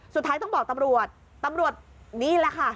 สุดท้ายต้องบอกตำรวจตำรวจนี่แหละค่ะ